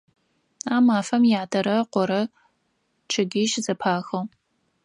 А мафэм ятэрэ ыкъорэ чъыгищ зэпахыгъ.